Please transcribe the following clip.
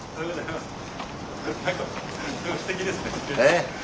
すてきですね。